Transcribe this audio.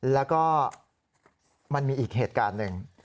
แล้วก็มันมีอีกเหตุการณ์หนึ่ง